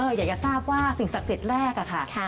อยากจะทราบว่าสิ่งศักดิ์สิทธิ์แรกอะค่ะ